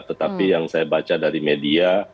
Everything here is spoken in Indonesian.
tetapi yang saya baca dari media